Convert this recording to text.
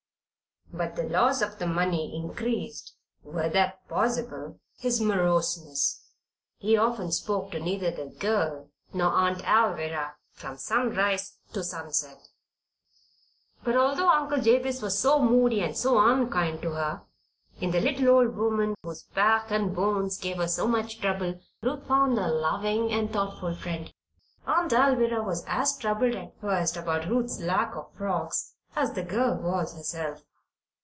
But the loss of the money increased (were that possible) his moroseness. He often spoke to neither the girl nor Aunt Alvirah from sunrise to sunset. But although Uncle Jabez was so moody and so unkind to her, in the little old woman, whose back and whose bones gave her so much trouble, Ruth found a loving and thoughtful friend. Aunt Alvirah was as troubled at first about Ruth's lack of frocks as the girl was herself.